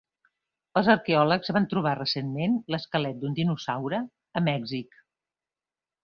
Els arqueòlegs van trobar recentment l'esquelet d'un dinosaure a Mèxic.